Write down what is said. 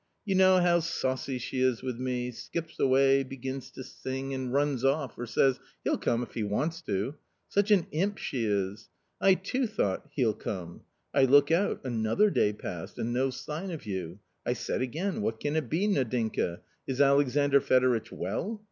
You know how saucy she is with me, skips away, begins to sing, and runs off or says, ' He'll come, jjf he wants to !' such an imp she is ! I too thought — he'll come ! I look out, another day passed — and no sign of you ! I said again, * What can it be, Nadinka, is Alexandr Fedoritch well